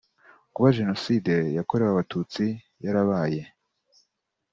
kuba Jenoside yakorewe Abatutsi yarabaye